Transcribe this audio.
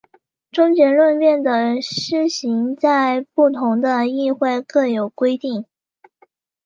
终结辩论的施行在不同的议会各有规定。